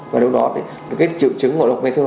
và lúc đó thì cái triệu chứng ngộ độc methanol